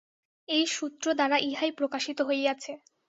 এই সূত্রদ্বারা ইহাই প্রকাশিত হইয়াছে।